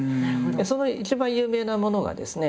その一番有名なものがですね